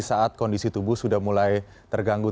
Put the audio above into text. saat kondisi tubuh sudah mulai terganggu